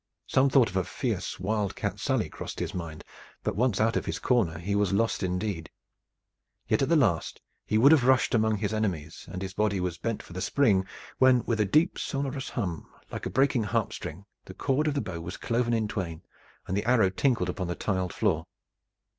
Some thought of a fierce wildcat sally crossed his mind, but once out of his corner he was lost indeed. Yet at the last he would have rushed among his enemies, and his body was bent for the spring, when with a deep sonorous hum, like a breaking harp string, the cord of the bow was cloven in twain, and the arrow tinkled upon the tiled floor.